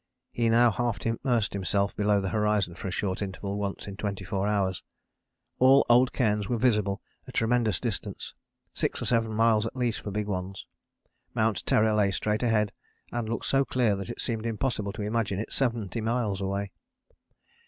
He now half immersed himself below the horizon for a short interval once in 24 hours. All old cairns were visible a tremendous distance, six or seven miles at least for big ones. Mount Terror lay straight ahead and looked so clear that it seemed impossible to imagine it 70 miles away.